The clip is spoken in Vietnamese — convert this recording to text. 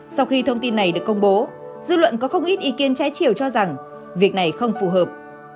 sau khi thông tin này được công bố dư luận có không ít ý kiến trái chiều cho rằng việc này không phù hợp